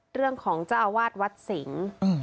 เรื่องของเจ้าอาวาสวัดสิงห์